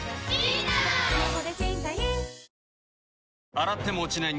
洗っても落ちない